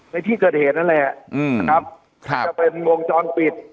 ในที่เกิดเหตุนั่นแหละนะครับจะเป็นวงจรปิด